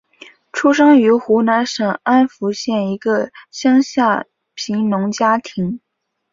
出生于湖南省安福县一个乡下贫农家庭。